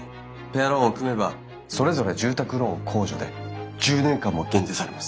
ペアローンを組めばそれぞれ住宅ローン控除で１０年間も減税されます。